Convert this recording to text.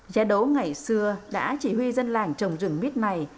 gia đố ngày xưa đã chỉ huy dân làng trồng rừng mít này